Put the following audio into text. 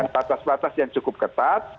patas patas yang cukup ketat